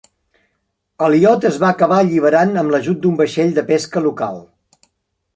El iot es va acabar alliberant amb l'ajut d'un vaixell de pesca local.